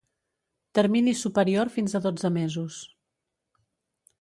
Termini superior fins a dotze mesos.